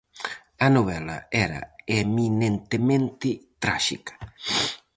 A novela era eminentemente tráxica.